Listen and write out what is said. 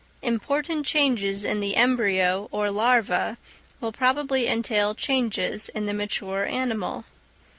Important changes in the embryo or larva will probably entail changes in the mature animal.